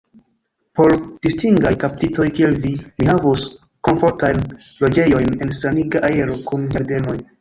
Por distingaj kaptitoj, kiel vi, mi havus komfortajn loĝejojn en saniga aero, kun ĝardenoj.